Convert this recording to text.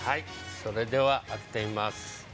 それではあけてみます